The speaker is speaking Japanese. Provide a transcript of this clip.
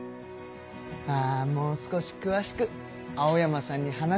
あもう少しくわしく青山さんに話を聞いてみたいな。